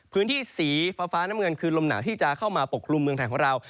พื้นที่สีฟ้าน้ำเงินคือลมหนาวที่จะเข้ามาปกครุมเมืองไทยของเรา